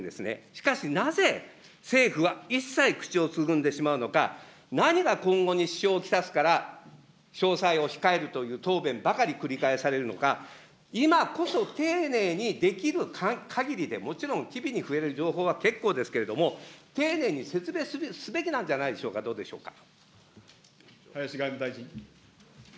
しかし、なぜ、政府は一切口をつぐんでしまうのか、何が今後に支障を来すから、詳細を控えるという答弁ばかり繰り返されるのか、今こそ丁寧に、できるかぎりで、もちろん機微に触れる情報は結構ですけれども、丁寧に説明すべきなんじゃないでしょうか、どうでしょうか。